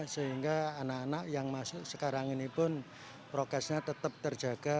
sehingga anak anak yang masuk sekarang ini pun progresnya tetap terjaga